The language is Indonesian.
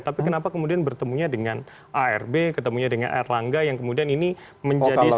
tapi kenapa kemudian bertemunya dengan arb ketemunya dengan erlangga yang kemudian ini menjadi